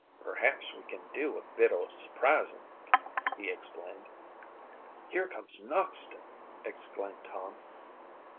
"Perhaps we can do a bit o' surprisin'," he explained. "Here comes Noxton!" exclaimed Tom.